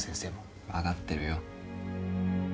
分かってるよ。